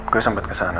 gue sempet kesana